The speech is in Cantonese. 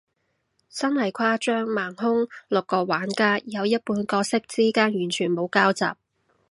真係誇張，盲兇，六個玩家，有一半角色之間完全冇交集，